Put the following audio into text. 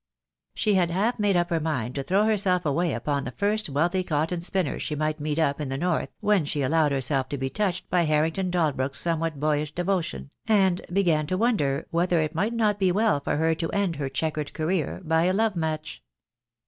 She had half made up her mind to throw herself away upon the first wealthy cotton spinner she might meet up in the North when she allowed herself to be touched by Har rington Dalbrook's somewhat boyish devotion, and began THE DAY WILL COME. 2 2 0, to wonder whether it might not be well for her to end her chequered career by a love match.